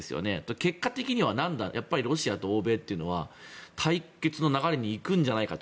結果的にはなんだ、ロシアと欧米というのは対決の流れに行くんじゃないかと。